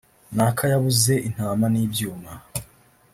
“Naka yabuze intama n’ibyuma